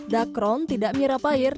dacron tidak menyerap air